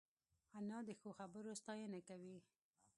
انا د ښو خبرو ستاینه کوي